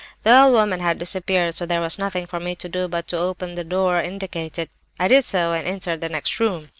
The old woman had disappeared, so there was nothing for me to do but to open the door indicated. I did so, and entered the next room.